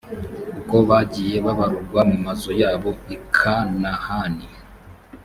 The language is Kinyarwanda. uko bagiye babarurwa mu mazu yabo i kanahani.